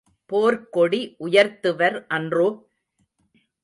போர்க் கொடி உயர்த்துவர் அன்றோ?